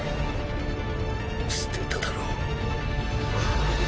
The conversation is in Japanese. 捨てただろ。